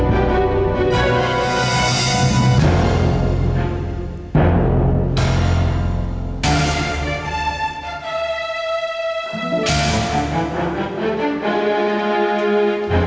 pertama kali yang kamu lakuin pula kamu